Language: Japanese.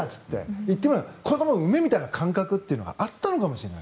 言ってみれば子どもを産めみたいな感覚があったのかもしれない。